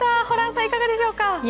ホランさん、いかがでしょうか？